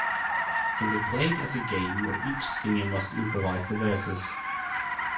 It can be played as a game, where each singer must improvise the verses.